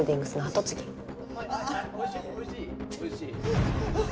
おいしい？